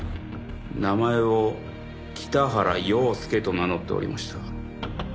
名前を北原陽介と名乗っておりました。